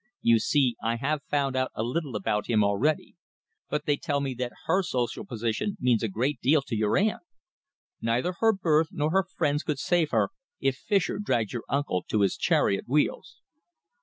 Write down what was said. You see, I have found out a little about him already. But they tell me that her social position means a great deal to your aunt. Neither her birth nor her friends could save her if Fischer drags your uncle to his chariot wheels."